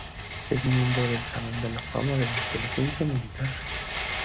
Es miembro del Salón de la Fama de la Inteligencia Militar.